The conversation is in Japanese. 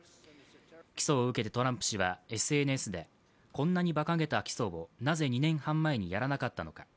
起訴を受けてトランプ氏はＳＮＳでこんなにばかげた起訴をなぜ２年半前にやらなかったのか？